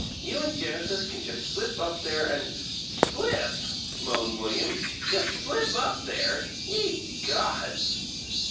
You and Genesis can just slip up there and " "Slip!" moaned William. "'Just SLIP up there'! Ye gods!"